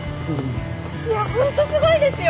いや本当すごいですよ！